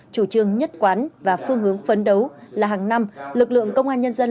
chủ trương nhất quán và phương hướng phấn đấu là hàng năm lực lượng công an nhân dân